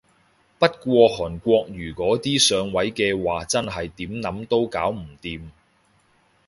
不過韓國瑜嗰啲上位嘅話真係點諗都搞唔掂